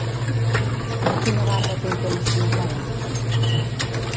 De Quina Barra tinc temes que m'agraden?